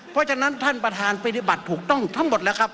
เพราะฉะนั้นท่านประธานปฏิบัติถูกต้องทั้งหมดแล้วครับ